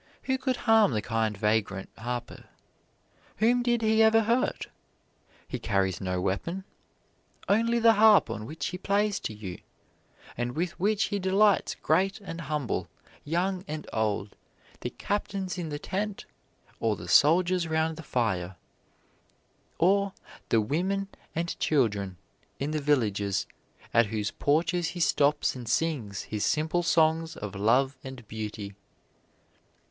Who could harm the kind vagrant harper? Whom did he ever hurt? He carries no weapon only the harp on which he plays to you; and with which he delights great and humble, young and old, the captains in the tent or the soldiers round the fire, or the women and children in the villages at whose porches he stops and sings his simple songs of love and beauty."